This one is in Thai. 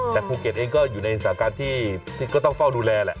แต่ภูเก็ตเองก็อยู่ในสถานการณ์ที่ก็ต้องเฝ้าดูแลแหละ